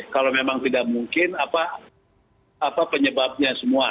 kalau memang tidak mungkin apa penyebabnya semua